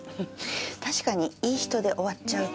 確かにいい人で終わっちゃうタイプかもね。